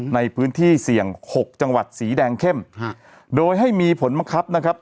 ในพื้นที่เสี่ยงหกจังหวัดสีแดงเข้มฮะโดยให้มีผลมะคับนะครับ